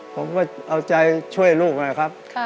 ผมก็เอาใจช่วยลูกนะครับ